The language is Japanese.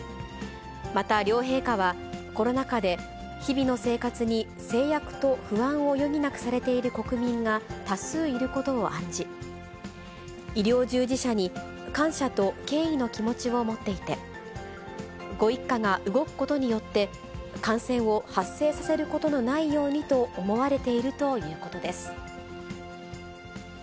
また、両陛下は、コロナ禍で日々の生活に制約と不安を余儀なくされている国民が多数いることを案じ、医療従事者に感謝と敬意の気持ちを持っていて、ご一家が動くことによって、感染を発生させることのないようにと思われているということです。